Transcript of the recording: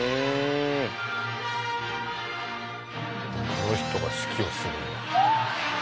この人が指揮をするんだ。